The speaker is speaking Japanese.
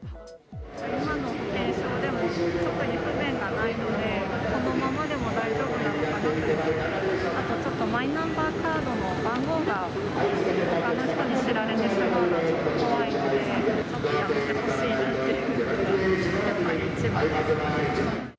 今の保険証でも特に不便がないので、そのままでも大丈夫のかなと、あとちょっとマイナンバーカードの番号が、ほかの人に知られてしまうのがちょっと怖いので、ちょっとやめてほしいなというのが一番ですかね。